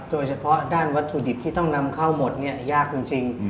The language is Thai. โดยเฉพาะด้านวัตถุดิบที่ต้องนำเข้าหมดเนี่ยยากจริง